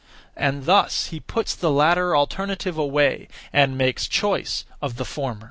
And thus he puts the latter alternative away and makes choice of the former.